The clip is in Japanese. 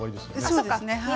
そうですねはい。